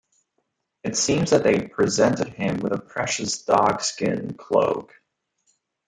It seems that they presented him with a precious dog-skin cloak.